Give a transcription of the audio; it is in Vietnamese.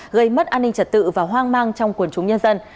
gây mất an ninh trật tự và hoang mang trong quần chúng nhân dân